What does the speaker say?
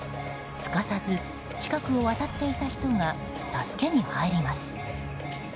すかさず近くを渡っていた人が助けに入ります。